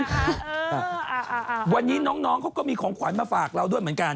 เอออ่าอ่าอ่าวันนี้น้องน้องเขาก็มีของขวัญมาฝากเราด้วยเหมือนกัน